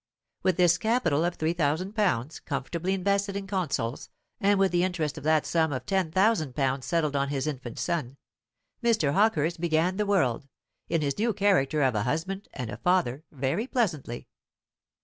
With this capital of three thousand pounds comfortably invested in consols, and with the interest of that sum of ten thousand pounds settled on his infant son, Mr. Hawkehurst began the world, in his new character of a husband and a father, very pleasantly.